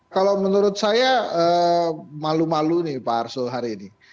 kalau menurut saya malu malu nih pak arsul hari ini